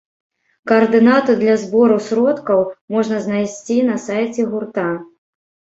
Каардынаты для збору сродкаў можна знайсці на сайце гурта.